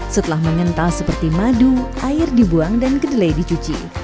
setelah mengental seperti madu air dibuang dan kedelai dicuci